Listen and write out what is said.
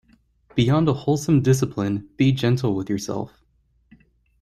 Beyond a wholesome discipline, be gentle with yourself.